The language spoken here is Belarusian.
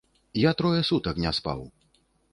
Я трое сутак не спаў.